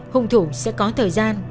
hùng thủ sẽ có thời gian